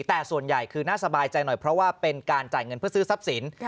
แต่ส่วนใหญ่คือน่าสบายใจหน่อยเพราะว่าเป็นการจ่ายเงินเพื่อซื้อทรัพย์สิน